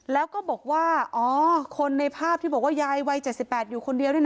แล้วก็บอกว่าอ๋อคนในภาพที่บอกว่ายายวัย๗๘อยู่คนเดียวด้วยนะ